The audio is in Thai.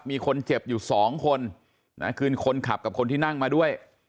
มีคนเจ็บอยู่สองคนนะคือคนขับกับคนที่นั่งมาด้วย